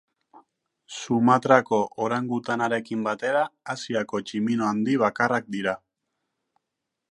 Sumatrako orangutanarekin batera Asiako tximino handi bakarrak dira.